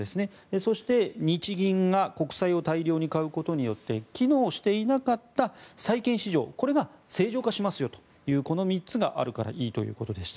そして日銀が国債を大量に買うことによって機能していなかった債券市場がこれが正常化しますよというこの３つがあるからいいということでした。